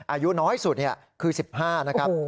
อายุน้อยสุดคือ๑๕นะครับ